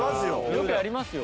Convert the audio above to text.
よくやりますよ。